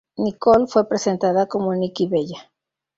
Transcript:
Nicole fue presentada como Nikki Bella.